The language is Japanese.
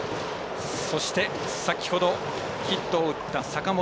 そして先ほどヒットを打った坂本。